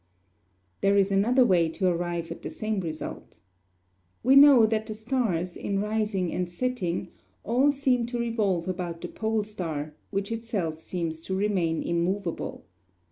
There is another way to arrive at the same result. We know that the stars in rising and setting all seem to revolve about the pole star, which itself seems to remain immovable.